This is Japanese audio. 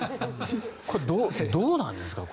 これはどうなんですか。